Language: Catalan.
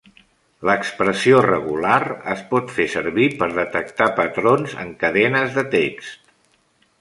L'expressió regular es pot fer servir per detectar patrons en cadenes de text.